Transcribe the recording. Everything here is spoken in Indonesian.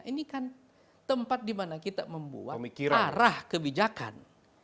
ini kan tempat dimana kita membuat arah kebijakan